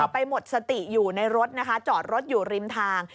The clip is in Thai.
ไปหมดสติอยู่ในรถนะคะจอดรถอยู่ริมทาง